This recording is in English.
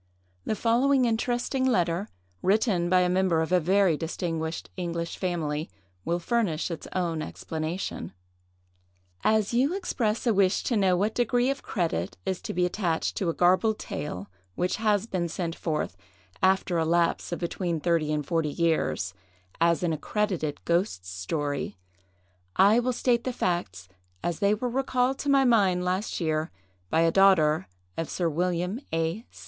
The following interesting letter, written by a member of a very distinguished English family, will furnish its own explanation:— "As you express a wish to know what degree of credit is to be attached to a garbled tale which has been sent forth, after a lapse of between thirty and forty years, as an 'accredited ghost story,' I will state the facts as they were recalled to my mind last year by a daughter of Sir William A.